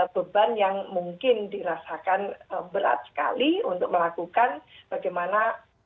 beban yang mungkin dirasakan berat sekali untuk melakukan bagaimana